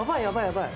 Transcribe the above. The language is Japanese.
やばい！